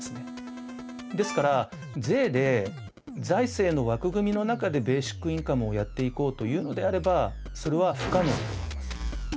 ですから税で財政の枠組みの中でベーシックインカムをやっていこうというのであればそれは不可能だと思います。